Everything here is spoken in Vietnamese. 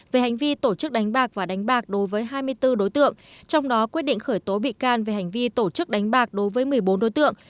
về hành vi tổ chức đánh bạc và đánh bạc đối với hai mươi bốn đối tượng trong đó quyết định khởi tố bị can về hành vi tổ chức đánh bạc đối với một mươi bốn đối tượng